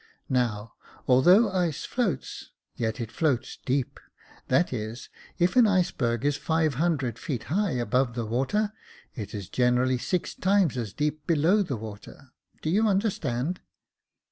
Now, although ice floats, yet it floats deep : that is, if an iceberg is five hundred feet high above the water, it is generally six times as deep below the water — do you understand